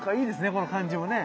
この感じもね。